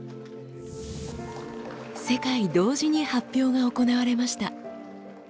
世界同時に発表が行われました。